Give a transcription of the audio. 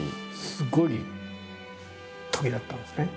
すごいときだったんですね。